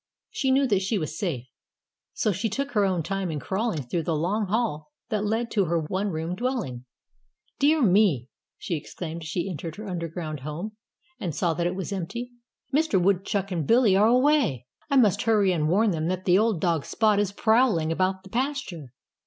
She knew that she was safe. So she took her own time in crawling through the long hall that led to her one room dwelling. "Dear me!" she exclaimed as she entered her underground home and saw that it was empty. "Mr. Woodchuck and Billy are away. I must hurry and warn them that old dog Spot is prowling about the pasture."